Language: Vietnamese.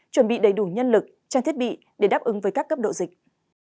chuẩn bị đầy đủ nhân lực trang thiết bị để đáp ứng với các cấp độ dịch